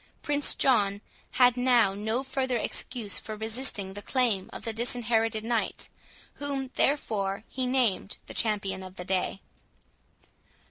Prince John had now no further excuse for resisting the claim of the Disinherited Knight, whom, therefore, he named the champion of the day.